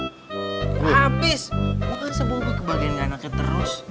maksudnya bobby kebagian gak enaknya terus